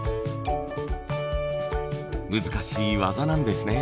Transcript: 難しい技なんですね。